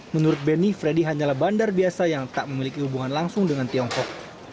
menurut beni freddy hanyalah bandar biasa yang tak memiliki hubungan langsung dengan tiongkok